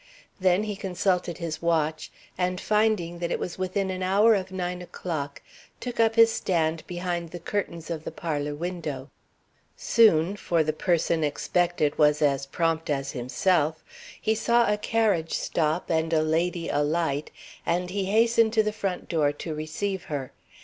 Then he consulted his watch, and finding that it was within an hour of nine o'clock, took up his stand behind the curtains of the parlor window. Soon, for the person expected was as prompt as himself, he saw a carriage stop and a lady alight, and he hastened to the front door to receive her.